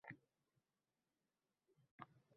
ruchkasi daftar varaqlari uzra tinimsiz yoʼrgʼalayotgan